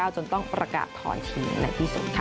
จนต้องประกาศถอนทีมในที่สุดค่ะ